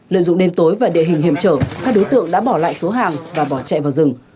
lợi dụng đêm tối và địa hình hiểm trở các đối tượng đã bỏ lại số hàng và bỏ chạy vào rừng